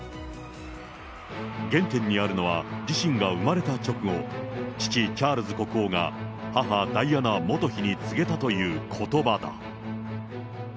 原点にあるのは、自身が生まれた直後、父、チャールズ国王が母、ダイアナ元妃に告げたということばだ。